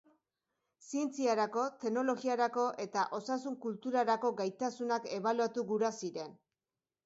Zientziarako, teknologiarako eta osasun kulturarako gaitasunak ebaluatu gura ziren.